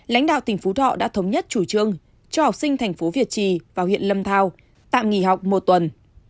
lãnh đạo tỉnh phú thọ đã thống nhất chủ trương cho học sinh thành phố việt trì vào huyện lâm thao tạm nghỉ học một tuần